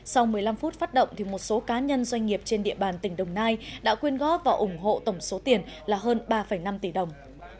sau một mươi năm phút phát động một số cá nhân doanh nghiệp trên địa bàn tỉnh đồng nai đã quyên góp và ủng hộ tổng số tiền là hơn ba năm tỷ đồng